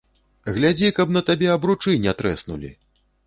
Глядзі, каб на табе абручы не трэснулі!